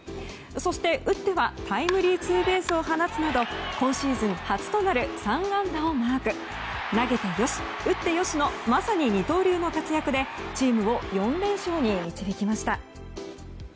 そして、打ってはタイムリーツーベースを放つなど今シーズン初となる３安打をマーク投げてよし打ってよしの二刀流の活躍でチームを４連勝に導きました。